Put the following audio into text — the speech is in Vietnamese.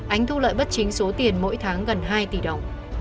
ánh thu lợi bất chính số tiền mỗi tháng gần hai tỷ đồng